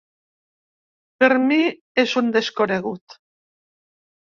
Per mi és un desconegut.